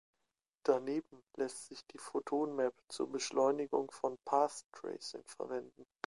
Daneben lässt sich die Photon Map zur Beschleunigung von Path Tracing verwenden.